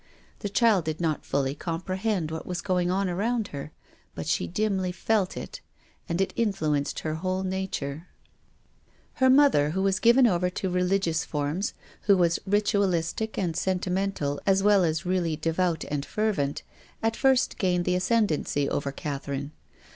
The child did not fully comprehend what was going on around her, but she dimly felt it. And it influenced her whole nature. "WILLIAM FOSTER." IIQ Her mother, who was given over to religious forms, who was rituahstic and sentimental as well as really devout and fervent, at first gained the ascendancy over Catherine.